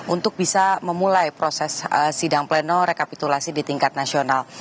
untuk bisa memulai proses sidang pleno rekapitulasi di tingkat nasional